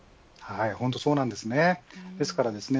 本当にそうなんですね。